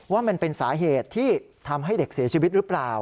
ว่ามันเป็นสาเหตุที่ทำให้เด็กเสียชีวิตหรือเปล่า